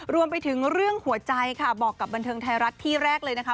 รวมไปถึงเรื่องหัวใจค่ะบอกกับบันเทิงไทยรัฐที่แรกเลยนะคะ